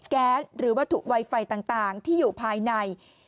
แก๊สหรือวัตถุไวไฟต่างที่อยู่ภายใน